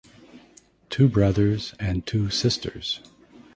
Two brothers and two sisters.